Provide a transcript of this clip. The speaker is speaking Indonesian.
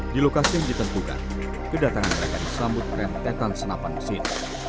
di lokasi yang ditentukan kedatangan mereka disambut rentetan senapan mesin